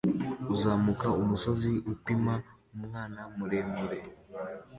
Uzamuka umusozi apima umunwa muremure